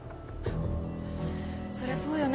そりゃそうよね。